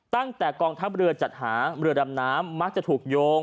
ตั้งแต่กองทัพเรือจัดหาเรือดำน้ำมักจะถูกโยง